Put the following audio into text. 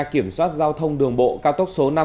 kiểm soát giao thông đường bộ cao tốc số năm